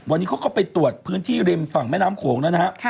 วันนี้เขาก็ไปตรวจพื้นที่ริมฝั่งแม่น้ำโขงแล้วนะฮะ